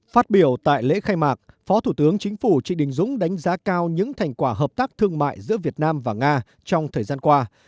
phát biểu tại lễ khai mạc phó thủ tướng chính phủ trị đình dũng đánh giá cao những thành quả hợp tác thương mại giữa việt nam và nga trong thời gian qua